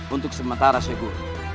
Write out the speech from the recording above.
untuk sementara segu